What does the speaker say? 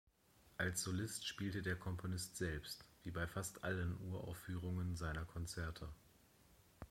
Als Solist spielte der Komponist selbst, wie bei fast allen Uraufführungen seiner Konzerte.